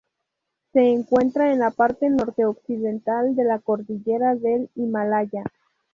Se encuentra en la parte norte-occidental de la cordillera del Himalaya.